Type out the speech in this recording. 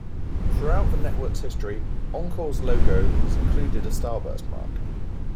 Throughout the network's history, Encore's logo has included a starburst mark.